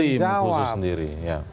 untuk tim khusus sendiri